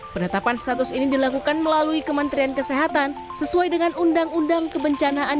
penetapan status ini dilakukan melalui kementerian kesehatan sesuai dengan undang undang kebencanaan